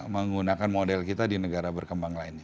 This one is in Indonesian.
menggunakan model kita di negara berkembang lainnya